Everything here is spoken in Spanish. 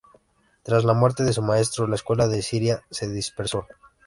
Tras la muerte de su maestro, la escuela de Siria se dispersó.